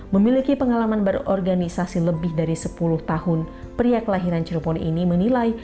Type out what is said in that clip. memiliki pengalaman berorganisasi lebih dari sepuluh tahun pria kelahiran cirebon ini menilai